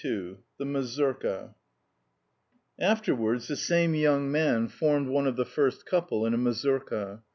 XXII THE MAZURKA AFTERWARDS the same young man formed one of the first couple in a mazurka.